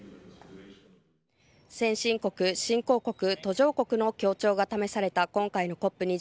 先進国、新興国、途上国の協調が試された今回のＣＯＰ２７。